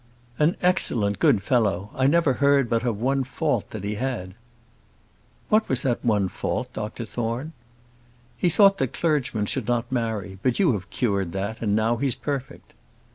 "An excellent, good fellow. I never heard but of one fault that he had." "What was that one fault, Doctor Thorne?" "He thought that clergymen should not marry. But you have cured that, and now he's perfect."